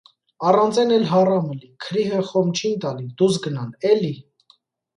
Առանց էն էլ հառամ ըլի, քրիհը խոմ չին տալի, դուս գնան, է՛լի: